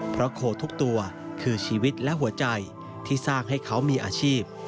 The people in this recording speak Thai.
เพราะโคทุกตัวคือชีวิตและหัวใจที่สร้างให้เขามีอาชีพ